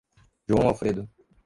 João Alfredo